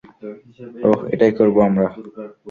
ওহ, এটাই করব আমরা।